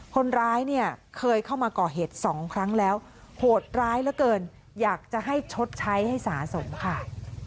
คนร้ายเนี่ยเคยเข้ามาก่อเหตุสองครั้งแล้วโหดร้ายเหลือเกินอยากจะให้ชดใช้ให้สะสมค่ะ